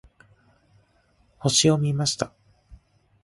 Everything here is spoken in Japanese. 星を見ました。